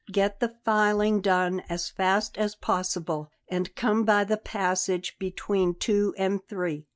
Get the filing done as fast as possible, and come by the passage between two and three.